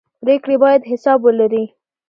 پرېکړې باید حساب ولري